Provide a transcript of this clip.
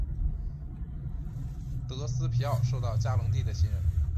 德斯皮奥受到嘉隆帝的信任。